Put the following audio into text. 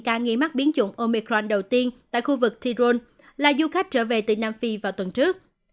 ca nghi mắc biến chủng omicron đầu tiên tại khu vực thi rôn là du khách trở về từ nam phi vào tuần trước